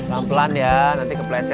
pelan pelan ya nanti kepleset